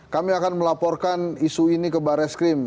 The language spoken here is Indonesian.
kami akan melaporkan isu ini ke barreskrim